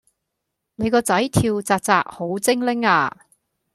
你個仔跳紥紥好精靈呀